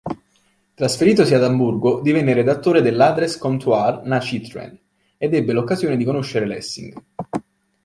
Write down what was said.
Trasferitosi ad Amburgo, divenne redattore delle "Adress-Comtoir-Nachrichten" ed ebbe l'occasione di conoscere Lessing.